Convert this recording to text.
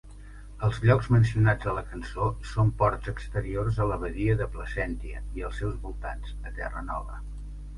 Els llocs mencionats a la cançó són ports exteriors a la badia de Placentia i els seus voltants, a Terranova.